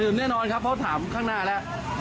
แน่นอนครับเพราะถามข้างหน้าแล้ว